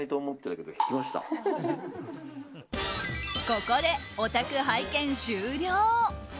ここで、お宅拝見終了。